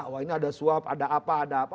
wah ini ada suap ada apa ada apa